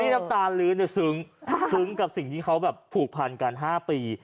นี่น้ำตาลื้นซึ้งกับสิ่งที่เขาผูกผ่านกัน๕ปี